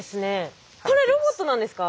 これロボットなんですか？